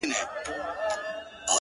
• په اول د پسرلي کي د خزان استازی راغی,